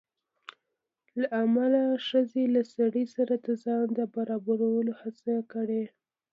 له امله ښځې له سړي سره د ځان د برابرولو هڅه کړې